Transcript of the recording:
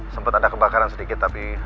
sempat ada kebakaran sedikit tapi